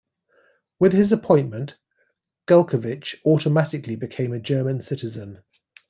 With his appointment, Gulkowitsch automatically became a German citizen.